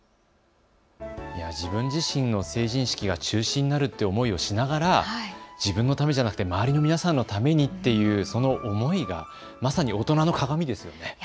自分自身の成人式が中止になるという思いをしながら自分のためではなく周りの皆さんのためというその思いがまさに大人のかがみですよね。